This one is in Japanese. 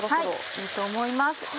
いいと思います。